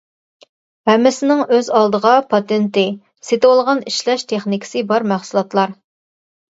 ھەممىسىنىڭ ئۆز ئالدىغا پاتېنتى، سېتىۋالغان ئىشلەش تېخنىكىسى بار مەھسۇلاتلار.